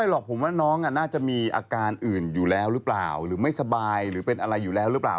หรอกผมว่าน้องน่าจะมีอาการอื่นอยู่แล้วหรือเปล่าหรือไม่สบายหรือเป็นอะไรอยู่แล้วหรือเปล่า